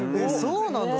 そうなんだ。